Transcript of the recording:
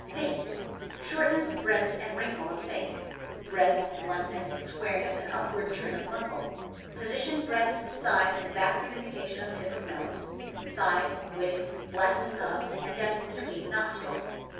Face.— Shortness, breadth, and wrinkle of face; breadth, bluntness, squareness, and upward turn of muzzle; position, breadth, size, and backward indication of tip of nose; size, width, blackness of, and depth between, nostrils.